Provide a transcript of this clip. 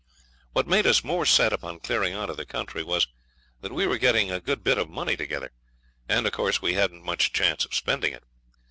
What made us more set upon clearing out of the country was that we were getting a good bit of money together, and of course we hadn't much chance of spending it.